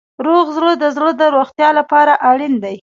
روغ ژوند د زړه د روغتیا لپاره اړین دی.